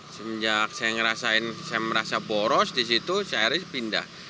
sejak saya merasa boros di situ saya pindah